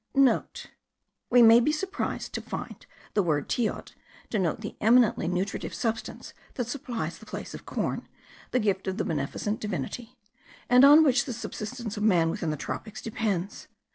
(* We may be surprised to find the word teot denote the eminently nutritive substance that supplies the place of corn (the gift of a beneficent divinity), and on which the subsistence of man within the tropics depends.